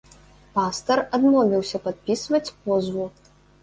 Пастар адмовіўся падпісваць позву.